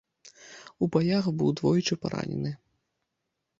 У баях, быў двойчы паранены.